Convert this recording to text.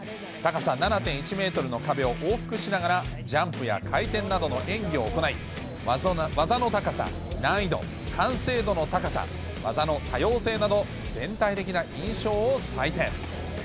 高さ７．１メートルの壁を往復しながらジャンプや回転などの演技を行い、技の高さ、難易度、完成度の高さ、技の多様性など、全体的な印象を採点。